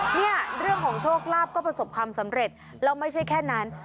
เนี่ยเรื่องของโชคลาภก็ประสบความสำเร็จแล้วไม่ใช่แค่นั้น